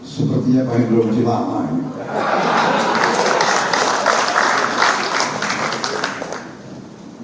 sepertinya pak hendro masih lama ini